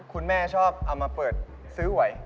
คุณแม่ชอบเอามาเปิดซื้อหวย